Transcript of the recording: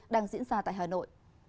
đang diễn ra tại hà nội